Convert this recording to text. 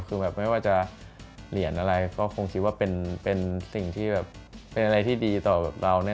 คือแบบไม่ว่าจะเหรียญอะไรก็คงคิดว่าเป็นสิ่งที่แบบเป็นอะไรที่ดีต่อเรา